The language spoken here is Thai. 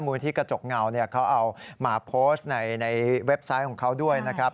ที่กระจกเงาเนี่ยเขาเอามาโพสต์ในเว็บไซต์ของเขาด้วยนะครับ